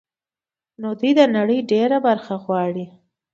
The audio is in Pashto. نو دوی د نړۍ ډېره برخه غواړي